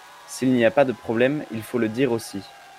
S’il n’y a pas de problème il faut le dire aussi.